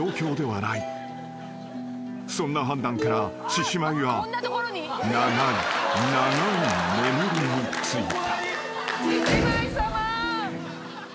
［そんな判断から獅子舞は長い長い眠りに就いた］